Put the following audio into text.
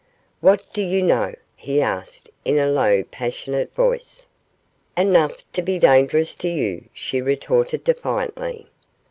'What do you know?' he asked, in a low, passionate voice. 'Enough to be dangerous to you,' she retorted, defiantly.